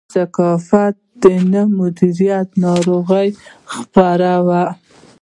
د کثافاتو نه مدیریت ناروغي خپروي.